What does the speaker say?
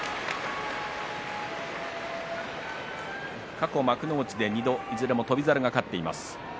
過去、幕内で２度いずれも翔猿が勝っています。